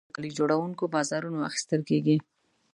غالۍ له کالي جوړونکي بازارونو اخیستل کېږي.